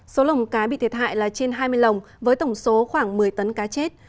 số lồng cá bị thiệt hại là trên hai mươi lồng với tổng số khoảng một mươi tấn cá chết